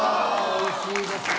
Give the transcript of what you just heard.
「おいしいですね」。